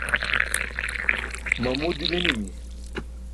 mamu diminimi